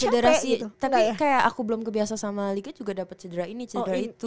federasi tapi kayak aku belum kebiasa sama liga juga dapat cedera ini cedera itu